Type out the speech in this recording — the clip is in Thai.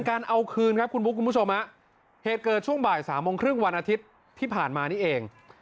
การเอาคืนครับคุณบุ๊คคุณผู้ชมฮะเหตุเกิดช่วงบ่ายสามโมงครึ่งวันอาทิตย์ที่ผ่านมานี่เอง